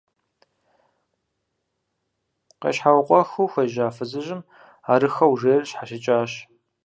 Къещхьэукъуэхыу хуежьа фызыжьым арыххэу жейр щхьэщыкӀащ.